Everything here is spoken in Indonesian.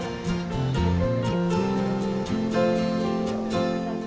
pencarian dilakukan dalam kelompok